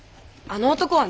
あの男は。